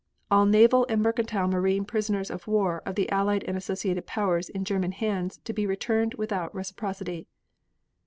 All naval and mercantile marine prisoners of war of the Allied and associated Powers in German hands to be returned without reciprocity.